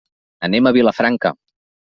Anem a Vilafranca.